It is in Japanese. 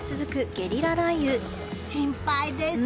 心配です。